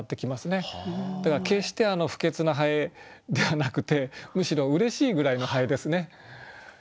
だから決して不潔な蠅ではなくてむしろうれしいぐらいの蠅ですね。